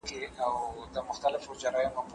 سلب صلاحیت څه يايلي لري؟